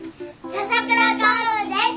笹倉薫です。